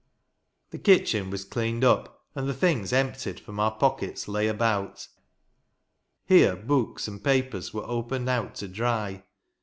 14 The kitchen was cleaned up, and the things emptied from our pockets lay about. Here books and papers were opened out to dry.